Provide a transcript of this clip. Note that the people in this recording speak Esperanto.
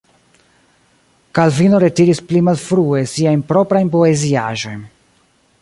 Kalvino retiris pli malfrue siajn proprajn poeziaĵojn.